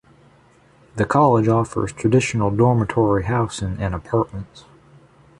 The college offers traditional dormitory housing and apartments.